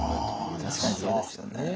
確かにそうですよね。